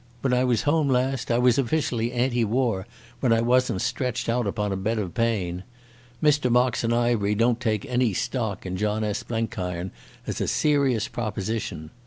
When I was home last I was officially anti war, when I wasn't stretched upon a bed of pain. Mr Moxon Ivery don't take any stock in John S. Blenkiron as a serious proposition.